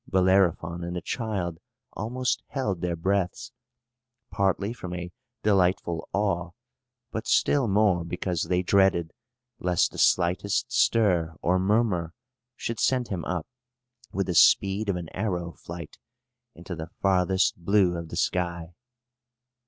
Bellerophon and the child almost held their breaths, partly from a delightful awe, but still more because they dreaded lest the slightest stir or murmur should send him up, with the speed of an arrow flight, into the farthest blue of the sky.